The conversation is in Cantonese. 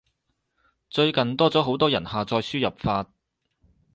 最近多咗好多人下載輸入法